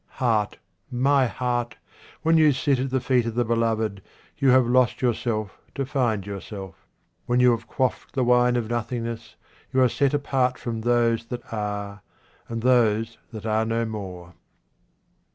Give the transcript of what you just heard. Heart, my heart, when you sit at the feet of the beloved, you have lost yourself to find yourself. When you have quaffed the wine of nothingness, you are set apart from those that are and those that are no more.